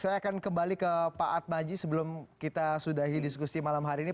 saya akan kembali ke pak atmaji sebelum kita sudahi diskusi malam hari ini